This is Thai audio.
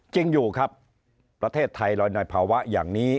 จริงอยู่ครับประเทศไทยเราในภาวะอย่างนี้